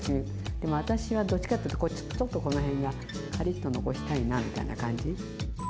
でも私はどっちかっていうとちょっとこの辺がカリッと残したいなみたいな感じ。